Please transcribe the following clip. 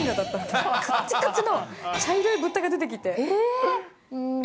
かちかちの茶色い物体が出てきて。